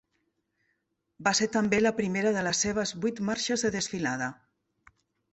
Va ser també la primera de les seves vuit marxes de desfilada.